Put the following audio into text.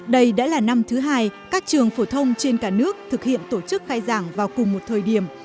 đây đã là năm thứ hai các trường phổ thông trên cả nước thực hiện tổ chức khai giảng vào cùng một thời điểm